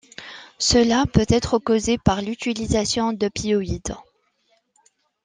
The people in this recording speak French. Cela peut être causé par l'utilisation d'opioïdes.